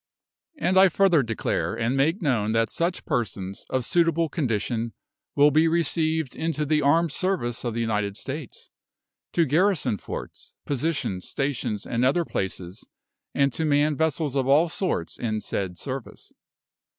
And I further declare and make known that such persons, of suitable condition, will be received into the armed service of the United States, to garrison forts, positions, stations, and other places, and to man vessels of all sorts in said service.